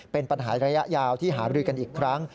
เป็นปัญหาระยะยาวที่หาบริกันอีกครั้ง